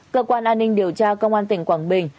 cơ quan an ninh điều tra công an tỉnh quảng bình